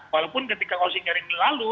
walaupun ketika kursi nyari nyari lalu